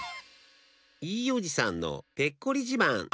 いいおじさんのペッコリじまん。